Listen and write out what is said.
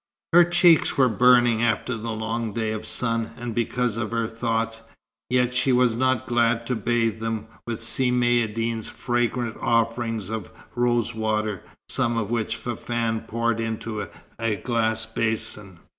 Her cheeks were burning after the long day of sun, and because of her thoughts; yet she was not glad to bathe them with Si Maïeddine's fragrant offering of rosewater, some of which Fafann poured into the glass basin.